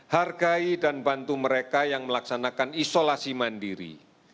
hargai dan bantu mereka yang melaksanakan isolasi mandiri